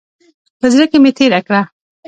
په زړه کې مې تېره کړه.